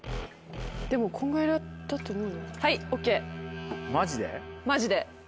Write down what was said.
でもこんぐらいだと思う。